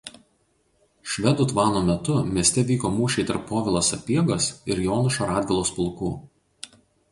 Švedų tvano metu mieste vyko mūšiai tarp Povilo Sapiegos ir Jonušo Radvilos pulkų.